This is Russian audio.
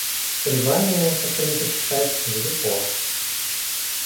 Колебание, как принято считать, велико.